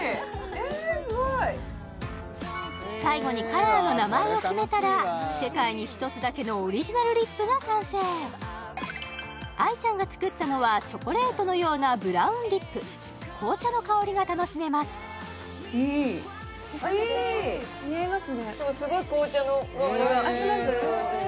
えすごい最後にカラーの名前を決めたら世界にひとつだけのオリジナルリップが完成愛ちゃんが作ったのはチョコレートのようなブラウンリップ紅茶の香りが楽しめますかわいい似合いますねでもすごい紅茶の香りがあっします？